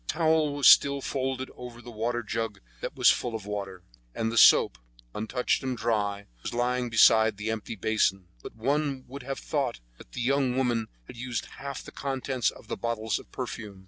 The towel was still folded over the waterjug that was full of water, and the soap, untouched and dry, was lying beside the empty basin; but one would have thought that the young woman had used half the contents of the bottles of perfume.